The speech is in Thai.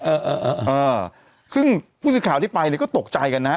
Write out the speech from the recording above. เออเออซึ่งผู้สื่อข่าวที่ไปเนี่ยก็ตกใจกันนะฮะ